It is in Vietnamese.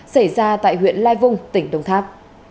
xảy ra tại huyện lai vung tỉnh đồng tháp